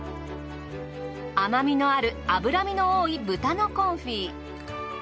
甘みのある脂身の多い豚のコンフィ。